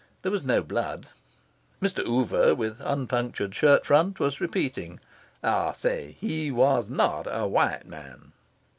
There was no blood. Mr. Oover, with unpunctured shirt front, was repeating "I say he was not a white man."